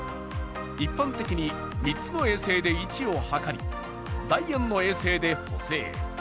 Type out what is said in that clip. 一般的に３つの衛星で位置を測り第４の衛星で補正。